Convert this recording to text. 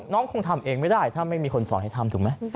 น้องคงทำเองไม่ได้ถ้าไม่มีคนสอนให้ทำถูกไหม